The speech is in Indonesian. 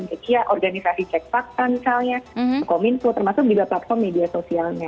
cek organisasi cek fakta misalnya kominfo termasuk juga platform media sosialnya